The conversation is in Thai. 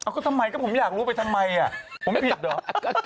ก็ทำไมก็ผมอยากรู้ไปทำไมผมไม่ผิดเหรอ